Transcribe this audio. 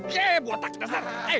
yee buat taksi dasar